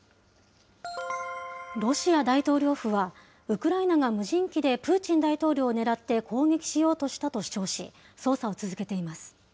ロシア大統領府は、ウクライナが無人機でプーチン大統領を狙って攻撃しようとしたと主張し、捜査を続けています。